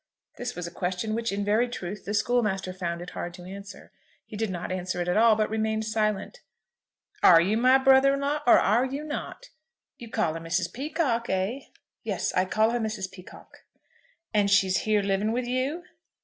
This was a question which in very truth the schoolmaster found it hard to answer. He did not answer it at all, but remained silent. "Are you my brother in law, or are you not? You call her Mrs. Peacocke, eh?" "Yes, I call her Mrs. Peacocke." "And she is here living with you?"